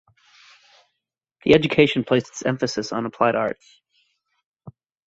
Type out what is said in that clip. The education placed its emphasis on applied arts.